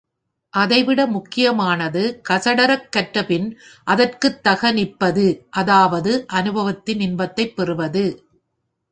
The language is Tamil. அதைவிட முக்கியமானது கசடறக் கற்றபின் அதற்குத் தக நிற்பது அதாவது அநுபவத்தில் இன்பத்தைப் பெறுவது.